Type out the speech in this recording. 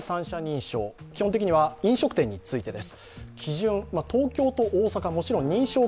基本的には飲食店についてです。